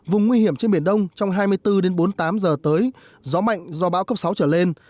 vùng nguy hiểm trên biển đông trong hai mươi bốn bốn mươi tám giờ tới gió mạnh do bão cấp sáu trở lên